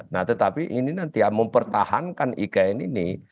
nah tetapi ini nanti ya mempertahankan ikn ini